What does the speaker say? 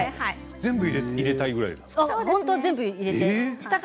全部入れたいくらいですか？